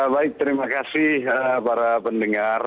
baik terima kasih para pendengar